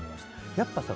やっぱさ